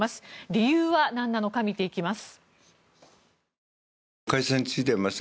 理由はなんなのか見ていきます。